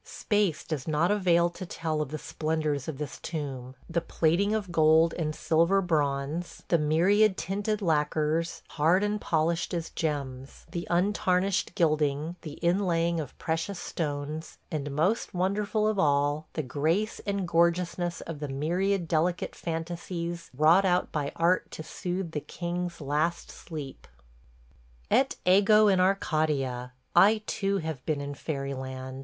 ... Space does not avail to tell of the splendors of this tomb, ... the plating of gold and silver bronze; the myriad tinted lacquers, hard and polished as gems; the untarnished gilding, the inlaying of precious stones, and, most wonderful of all, the grace and gorgeousness of the myriad delicate fantasies wrought out by art to soothe the king's last sleep. ... "Et ego in Arcadia – I too have been in fairyland!"